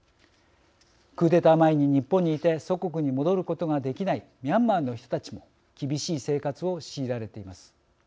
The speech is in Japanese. クーデター前に日本にいて祖国に戻ることができないミャンマーの人たちも厳しい生活を強いられています。